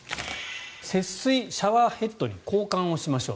節水シャワーヘッドに交換しましょう。